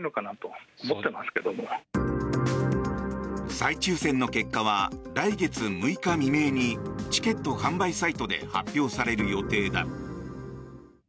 再抽選の結果は来月６日未明にチケット販売サイトで発表される予定だ。